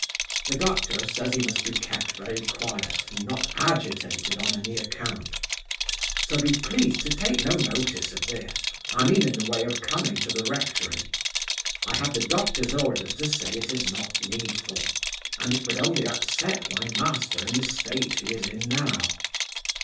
The doctor says he must be kept very quiet, and not agitated on any account. So be pleased to take no notice of this I mean in the way of coming to the rectory. I have the doctor's orders to say it is not needful, and it would only upset my master in the state he is in now.